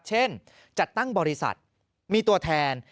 จัดตั้งบริษัทมีตัวแทน